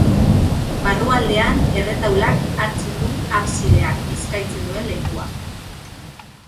Barrualdean, erretaulak hartzen du absideak eskaintzen duen lekua.